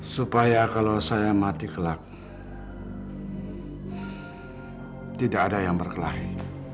supaya kalau saya mati kelak tidak ada yang berkelahi